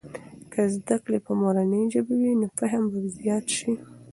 که زده کړې په مورنۍ ژبې وي، نو فهم به زيات سي.